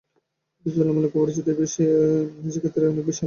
অথচ তুলনামূলক অপরিচিত এই বিষয়ে কাজের ক্ষেত্র অনেক বিশাল।